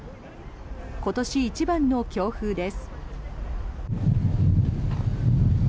今年一番の強風です。